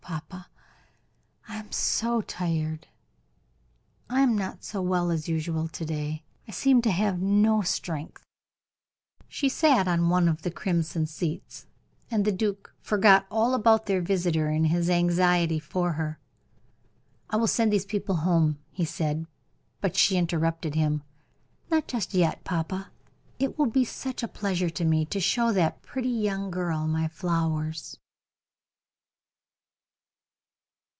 papa, I am so tired. I am not so well as usual to day; I seem to have no strength." She sat on one of the crimson seats, and the duke forgot all about their visitor in his anxiety for her. "I will send these people home," he said; but she interrupted him. "Not just yet, papa; it will be such a pleasure to me to show that pretty young girl my flowers."